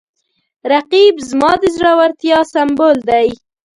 رقیب زما د زړورتیا سمبول دی